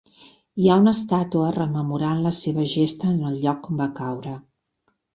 Hi ha una estàtua rememorant la seva gesta en el lloc on va caure.